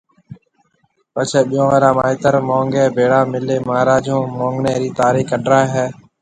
پڇيَ ٻيون را مائيتر مونگيَ ڀيڙا ملي مھاراج ھون مونگڻيَ رِي تاريخ ڪڍرائيَ ھيَََ